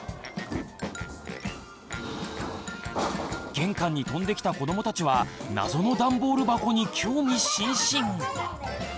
玄関に飛んできた子どもたちは謎の段ボール箱に興味津々。